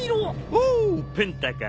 おおペンタか。